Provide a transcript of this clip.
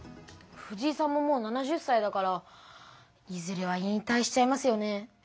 藤井さんももう７０さいだからいずれは引たいしちゃいますよね。